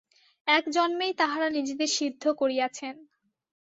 এক জন্মেই তাঁহারা নিজেদের সিদ্ধ করিয়াছেন।